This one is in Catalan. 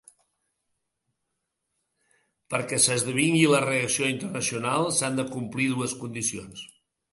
Perquè s’esdevingui la reacció internacional s’han de complir dues condicions.